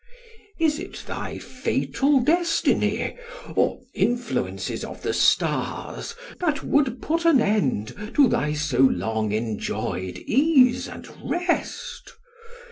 Is it thy fatal destiny, or influences of the stars, that would put an end to thy so long enjoyed ease and rest?